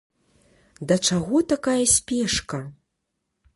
Да чаго такая спешка?